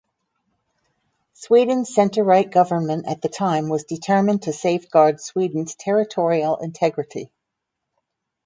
Sweden's centre-right government at the time was determined to safeguard Sweden's territorial integrity.